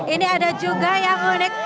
ini ada juga yang unik